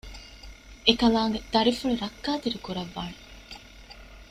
އެކަލާނގެ ދަރިފުޅު ރައްކާތެރި ކުރައްވާނެ